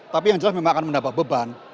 tapi yang jelas memang akan mendapat beban